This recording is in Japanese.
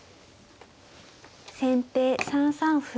先手３三歩。